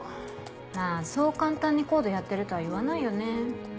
まぁそう簡単にＣＯＤＥやってるとは言わないよね。